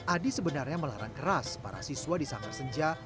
adi sebenarnya melarang keras para siswa di sanggar senja